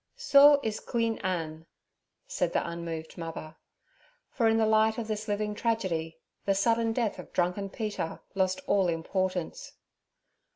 'So iz Queen Ann' said the unmoved mother. For in the light of this living tragedy the sudden death of drunken Peter lost all importance.